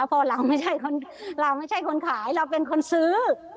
เพราะเราไม่ใช่คนขายเราเป็นคนซื้อ